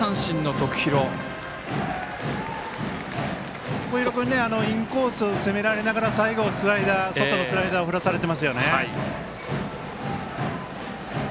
徳弘君インコース攻められながら最後、外のスライダーを振らされてますよね。